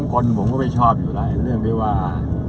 คนผมก็ไม่ชอบอะไรเรื่องที่ว่า